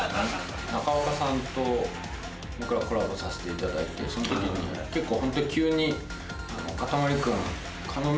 中岡さんと僕らコラボさせていただいてその時に結構ホント急に。